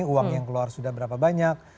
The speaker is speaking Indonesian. uang yang keluar sudah berapa banyak